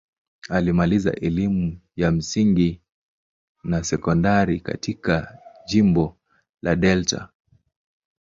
Alimaliza elimu ya msingi na sekondari katika jimbo la Delta.